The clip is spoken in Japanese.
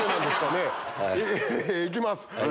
行きます！